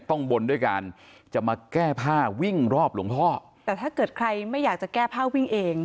บนด้วยการจะมาแก้ผ้าวิ่งรอบหลวงพ่อแต่ถ้าเกิดใครไม่อยากจะแก้ผ้าวิ่งเอง